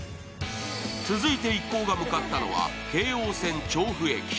続いて一行が向かったのは京王線・調布駅。